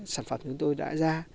sản phẩm chúng tôi đã ra